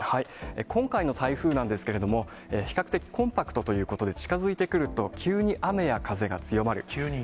今回の台風なんですけれども、比較的コンパクトということで、近づいてくると急に雨や風が強ま急に。